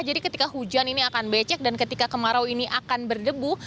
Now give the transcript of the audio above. jadi ketika hujan ini akan becek dan ketika kemarau ini akan berdebu